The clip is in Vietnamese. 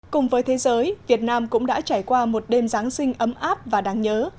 cùng với thế giới việt nam cũng đã trải qua một đêm giáng sinh ấm áp và đáng nhớ